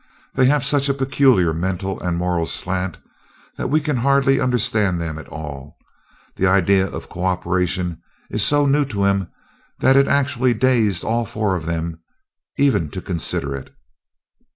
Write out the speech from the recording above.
They have such a peculiar mental and moral slant that we can hardly understand them at all. This idea of co operation is so new to them that it actually dazed all four of them even to consider it."